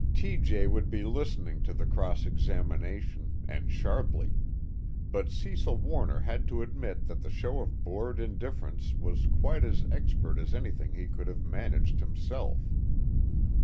T.J. would be listening to the cross examination, and sharply; but Cecil Warner had to admit that the show of bored indifference was quite as expert as anything he could have managed himself.